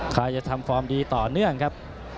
ใครจะทำฟอร์มดีต่อเนื่องครับ